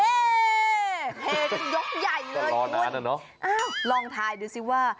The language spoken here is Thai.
เฮ่เป็นยกใหญ่เลยคุณอ้าวลองทายดูสิว่า